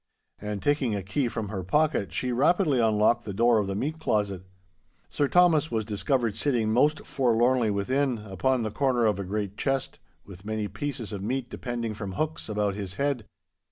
And taking a key from her pocket she rapidly unlocked the door of the meat closet. Sir Thomas was discovered sitting most forlornly within, upon the corner of a great chest, with many pieces of meat depending from hooks about his head.